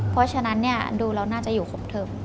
เพราะฉะนั้นดูแล้วน่าจะอยู่ครบเทิม